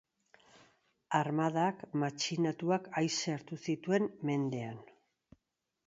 Armadak matxinatuak aise hartu zituen mendean.